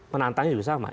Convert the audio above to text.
penantangnya juga sama